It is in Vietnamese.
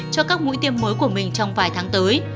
cho các mũi tiêm mới của mình trong vài tháng tới